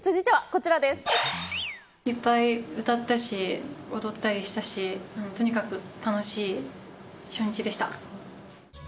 いっぱい歌ったし、踊ったりしたし、とにかく楽しい初日でした。